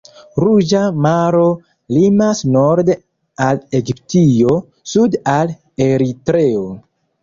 Ruĝa Maro limas norde al Egiptio, sude al Eritreo.